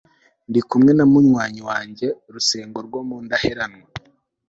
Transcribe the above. ndi kumwe na munywanyi wanjye Rusengo rwo mu Ndaheranwa